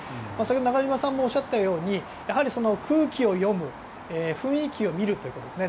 中島さんもおっしゃったように空気を読む雰囲気を見るということですね。